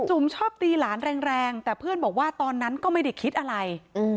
ชอบตีหลานแรงแต่เพื่อนบอกว่าตอนนั้นก็ไม่ได้คิดอะไร